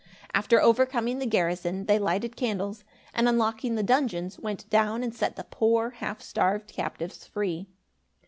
After overcoming the garrison, they lighted candles, and unlocking the dungeons, went down and set the poor half starved captives free.